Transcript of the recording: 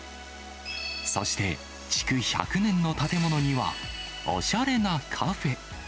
そして、築１００年の建物には、おしゃれなカフェ。